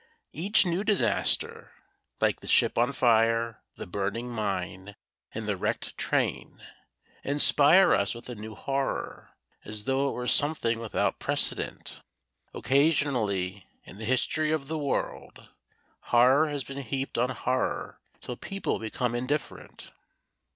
Each new disaster, like the ship on fire, the burning mine and the wrecked train inspires us with a new horror, as though it were something without precedent. Occasionally in the history of the world horror has been heaped on horror till people became indifferent.